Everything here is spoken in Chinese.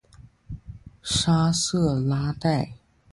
沙瑟拉代。